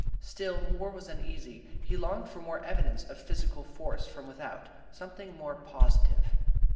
Still, Moore was uneasy; he longed for more evidence of physical force from without something more positive.